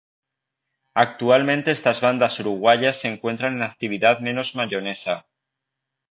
Actualmente estas bandas uruguayas se encuentran en actividad menos Mayonesa.